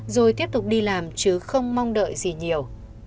rồi tiếp tục đi làm chứ không mong đợi gì nhiều